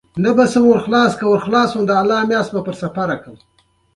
ژوند، ډېر ګټور او خوندور درسونه راغلي